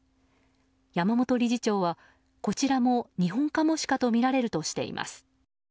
山本理事長はこちらもニホンカモシカとみられるとしています。